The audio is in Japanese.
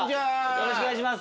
よろしくお願いします。